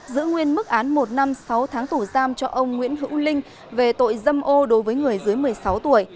giữ nguyên mức án một năm sáu tháng tù giam cho ông nguyễn hữu linh về tội dâm ô đối với người dưới một mươi sáu tuổi